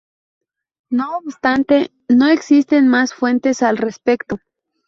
No obstante, no existen más fuentes al respecto.